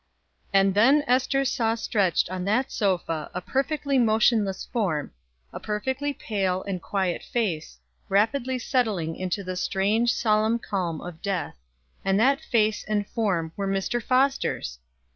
And then Ester saw stretched on that sofa a perfectly motionless form, a perfectly pale and quiet face, rapidly settling into the strange solemn calm of death, and that face and form were Mr. Foster's!